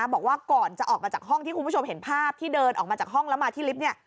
บอกว่าก่อนจะออกมาจากห้องที่คุณผู้ชมเห็นภาพที่เดินออกมาจากห้องแล้วมาที่ลิฟต์เนี่ย